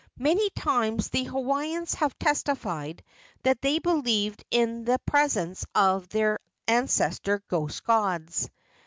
Many times the Hawaiians have testified that they believed in the presence of their ancestor ghost gods.